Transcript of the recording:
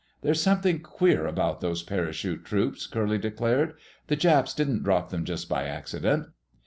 "There's something queer about those parachute troops," Curly declared. "The Japs didn't drop them just by accident.